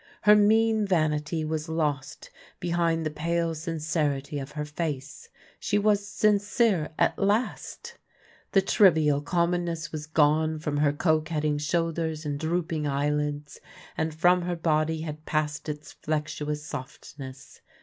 Her mean vanity was lost behind the pale sincerity of her face — she was sin cere at last ! The trivial commonness was gone from her coquetting shoulders and drooping eyelids ; and from her body had passed its flexuous softness.